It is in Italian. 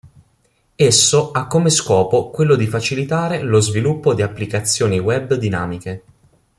Esso ha come scopo quello di facilitare lo sviluppo di applicazioni web dinamiche.